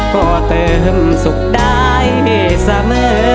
ก็เติมสุขได้เสมอ